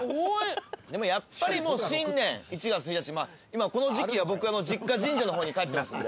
でもやっぱり新年１月１日今この時期は僕実家神社の方に帰ってますんで。